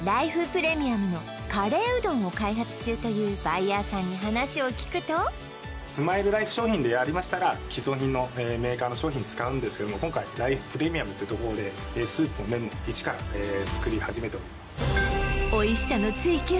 プレミアムのカレーうどんを開発中というバイヤーさんに話を聞くとスマイルライフ商品でありましたら既存品のメーカーの商品使うんですけども今回ライフプレミアムというところでスープも麺も一から作り始めております